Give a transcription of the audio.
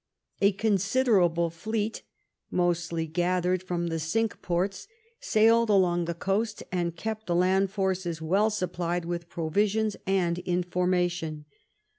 A considerable fleet — mostly gathered from the Cinque Ports — sailed along the coast and kept the land forces well supplied with provisions and information.